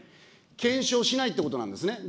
検証しないってことなんですね。